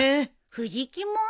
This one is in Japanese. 藤木も？